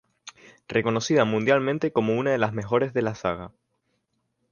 Reconocida mundialmente como una de las mejores de la saga.